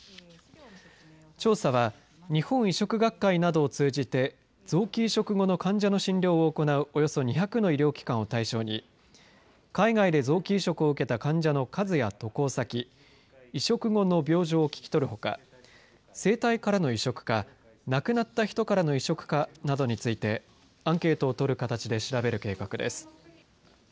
調査は日本移植学会などを通じて臓器移植後の患者の診療を行うおよそ２００の医療機関を対象に海外で臓器移植を受けた患者の数や渡航先移植後の病状を聞き取るほか生体からの移植か亡くなった人からの移植かなどについてアンケートを取る形で調べる計画です。